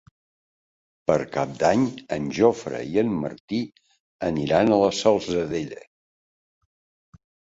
Per Cap d'Any en Jofre i en Martí aniran a la Salzadella.